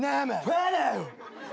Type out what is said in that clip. ファラオ。